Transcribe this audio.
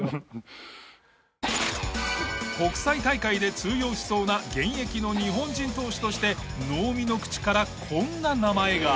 国際大会で通用しそうな現役の日本人投手として能見の口からこんな名前が。